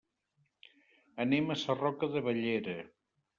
Anem a Sarroca de Bellera.